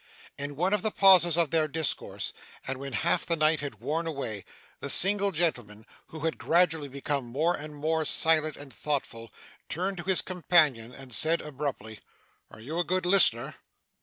In one of the pauses of their discourse, and when half the night had worn away, the single gentleman, who had gradually become more and more silent and thoughtful, turned to his companion and said abruptly: 'Are you a good listener?